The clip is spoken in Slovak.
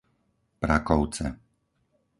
Prakovce